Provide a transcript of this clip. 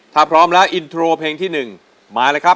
ถ้าพร้อมแล้วอินโทรเพลงที่๑มาเลยครับ